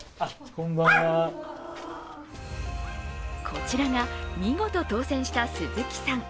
こちらが見事当選した鈴木さん。